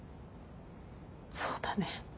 そうだね。